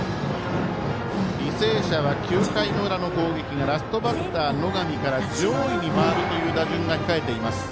履正社は９回の裏の攻撃がラストバッター、野上から上位に回るという打順が控えています。